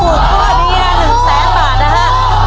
สูตรต้วยนี้แถวหนึ่งแสนต่อนะฮะ